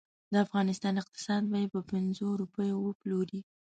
د افغانستان اقتصاد به یې په پنځو روپو وپلوري.